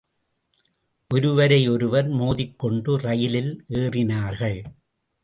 ஒருவரை ஒருவர் மோதிக்கொண்டு ரயிலில் ஏறினார்கள்.